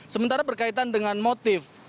sementara berkaitan dengan motif